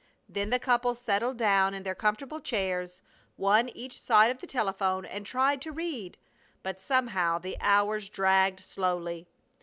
Then the couple settled down in their comfortable chairs, one each side of the telephone, and tried to read, but somehow the hours dragged slowly.